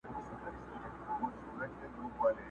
پکښي ګوري چي فالونه په تندي د سباوون کي!